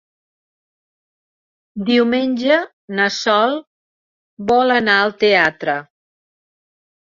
Diumenge na Sol vol anar al teatre.